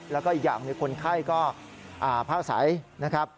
แล้วก็อีกอย่างคนไข้ก็พ่าใสนะครับ